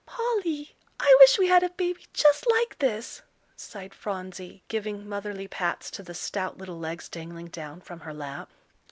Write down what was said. "Polly, I wish we had a baby just like this," sighed Phronsie, giving motherly pats to the stout little legs dangling down from her lap.